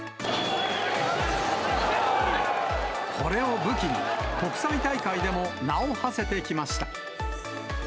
これを武器に、国際大会でも名をはせてきました。